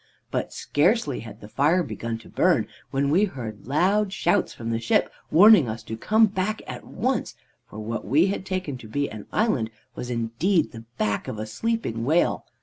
"But scarcely had the fire begun to burn, when we heard loud shouts from the ship warning us to come back at once, for what we had taken to be an island was indeed the back of a sleeping whale.